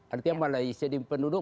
artinya malaysia di penduduk